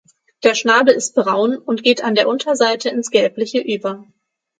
Der Schnabel ist braun und geht an der Unterseite ins gelbliche über.